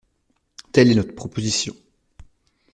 Telle est notre proposition.